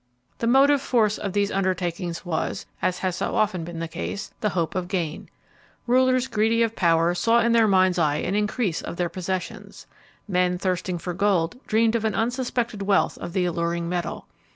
The motive force of these undertakings was as has so often been the case the hope of gain. Rulers greedy of power saw in their mind's eye an increase of their possessions. Men thirsting for gold dreamed of an unsuspected wealth of the alluring metal.